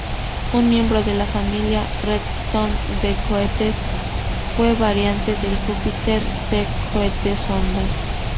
Un miembro de la familia "Redstone" de cohetes, fue variante del Jupiter-C Cohete sonda.